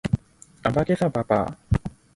用啱語法